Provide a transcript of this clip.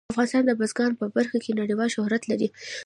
افغانستان د بزګان په برخه کې نړیوال شهرت لري.